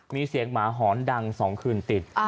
มีเสียงหมาหอนดัง๒คืนติด